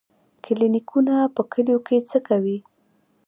کلینیکونه په کلیو کې څه کوي؟